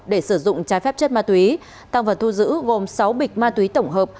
để sử dụng trái phép chất ma túy tăng vật thu giữ gồm sáu bịch ma túy tổng hợp